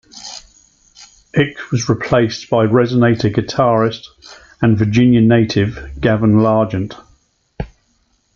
Ickes was replaced by resonator guitarist and Virginia native, Gaven Largent.